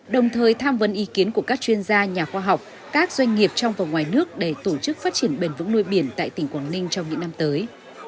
đồng thời tham vấn ý kiến của các chuyên gia nhà khoa học các doanh nghiệp trong và ngoài nước để tổ chức phát triển bền vững nuôi biển tại tỉnh quảng ninh trong những năm tới